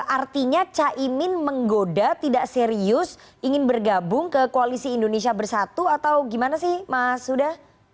artinya caimin menggoda tidak serius ingin bergabung ke koalisi indonesia bersatu atau gimana sih mas huda